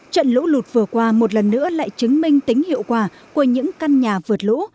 trận lũ lụt vừa qua một lần nữa lại chứng minh tính hiệu quả của những căn nhà vượt lũ